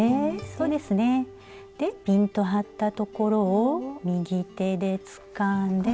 そうですねでピンと張ったところを右手でつかんで。